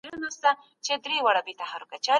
څېړنه له موږ سره مرسته کوي.